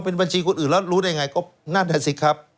เป็นบัญชีคนอื่นแล้วรู้ได้ไงก็นั่นแหละสิครับ